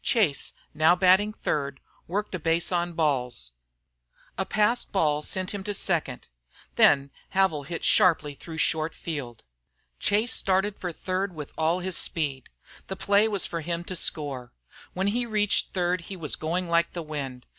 Chase, now batting third, worked a base on balls. A passed ball sent him to second. Then Havil hit sharply through short field. Chase started for third with all his speed. The play was for him to score. When he reached third he was going like the wind.